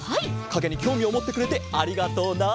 かげにきょうみをもってくれてありがとうな。